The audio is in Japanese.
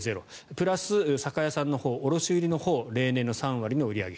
プラス、酒屋さんのほう卸売りのほう例年の３割の売り上げ。